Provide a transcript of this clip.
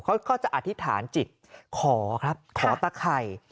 เขาก็จะอธิษฐานจิตขอครับขอตะไข่